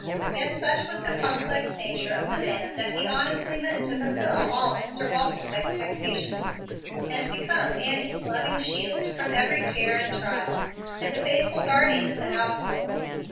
Yet such was the complex nature of the man that he honestly meant to fulfil all Mr. Walton's expectations, and become Annie's loving shield from every care and trial, and a faithful guardian of the household.